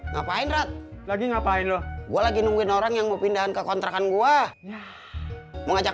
ngapain rat lagi ngapain gue lagi nungguin orang yang mau pindah ke kontrakan gue mau ngajak